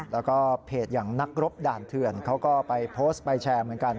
แล้วก็เพจอย่างนักรบด่านเถื่อนเขาก็ไปโพสต์ไปแชร์เหมือนกัน